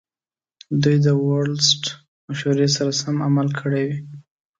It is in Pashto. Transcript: دوی د ورلسټ مشورې سره سم عمل کړی وي.